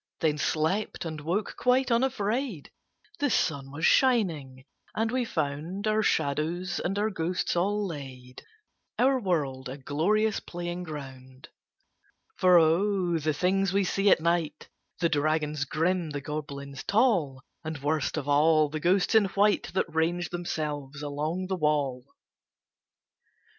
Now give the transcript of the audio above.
Then slept, and woke quite unafraid. The sun was shining, and we found Our shadows and our ghosts all laid, Our world a glorious playing ground. For O! the things we see at night The dragons grim, the goblins tall, And, worst of all, the ghosts in white That range themselves along the wall!